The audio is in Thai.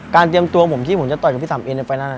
การเตรียมตัวของผมที่ผมจะต่อยกับพี่สามเอนในไฟล์ท